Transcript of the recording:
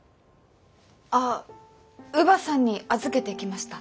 あっ乳母さんに預けてきました。